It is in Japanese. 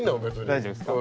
大丈夫すか？